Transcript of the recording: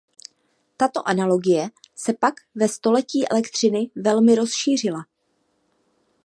Tato analogie se pak ve „století elektřiny“ velmi rozšířila.